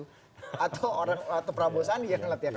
atau orang atau prabowo sandi yang nanti akan maju lagi